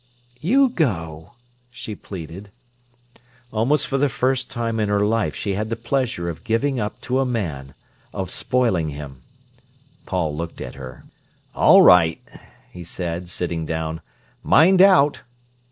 "You go," she pleaded. Almost for the first time in her life she had the pleasure of giving up to a man, of spoiling him. Paul looked at her. "All right," he said, sitting down. "Mind out!"